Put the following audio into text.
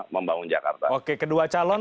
membangun jakarta oke kedua calon